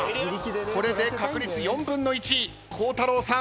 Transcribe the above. これで確率４分の１孝太郎さん。